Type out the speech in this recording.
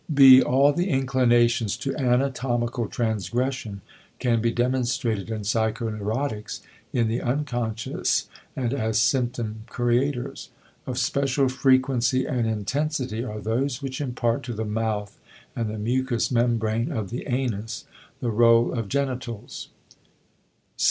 (b) All the inclinations to anatomical transgression can be demonstrated in psychoneurotics in the unconscious and as symptom creators. Of special frequency and intensity are those which impart to the mouth and the mucous membrane of the anus the rôle of genitals.